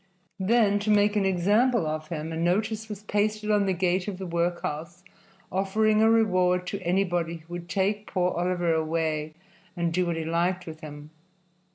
Then, to make an example of him, a notice was pasted on the gate of the workhouse offering a reward to anybody who would take poor Oliver away and do what he liked with him.